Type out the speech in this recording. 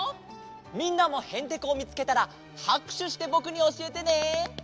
みんなもヘンテコをみつけたらはくしゅしてぼくにおしえてね。